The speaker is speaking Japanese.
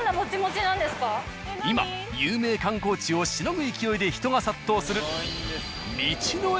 今有名観光地をしのぐ勢いで人が殺到する。